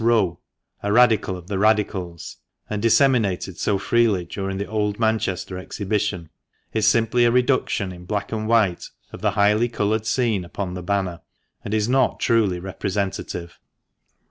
Wroe— a Radical of the Radicals — and disseminated so freely during the "Old Manchester" Exhibition, is simply a reduction in black and white of the highly coloured scene upon the banner ; and is not truly representative.